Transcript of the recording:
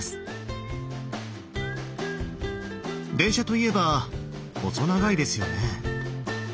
電車といえば細長いですよね。